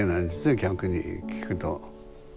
逆に聞くと。